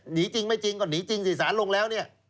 จริงไม่จริงก็หนีจริงสิสารลงแล้วเนี่ย